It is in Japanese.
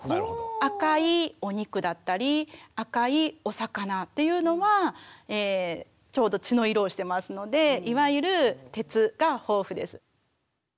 赤いお肉だったり赤いお魚というのはちょうど血の色をしてますのでいわゆる鉄が豊富です。